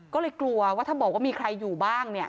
ก็เลยกลัวว่าถ้าบอกว่ามีใครอยู่บ้างเนี่ย